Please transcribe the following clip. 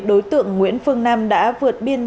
đối tượng nguyễn phương nam đã vượt biên